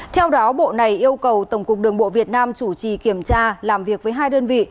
theo đó bộ này yêu cầu tổng cục đường bộ việt nam chủ trì kiểm tra làm việc với hai đơn vị